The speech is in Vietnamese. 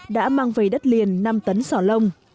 đã mang về đất liền năm tấn sò lông